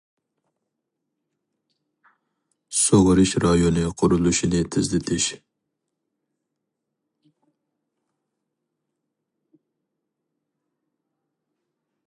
سۇغىرىش رايونى قۇرۇلۇشىنى تېزلىتىش.